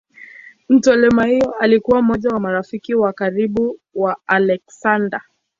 Ptolemaio alikuwa mmoja wa marafiki wa karibu wa Aleksander.